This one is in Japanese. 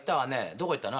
どこ行ったの？